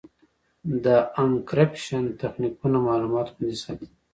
د انکریپشن تخنیکونه معلومات خوندي ساتي.